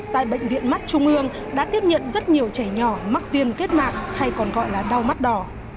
tại bệnh viện mắt trung ương đã tiếp nhận rất nhiều trẻ nhỏ mắc viêm kết mạng hay còn gọi là đau mắt đỏ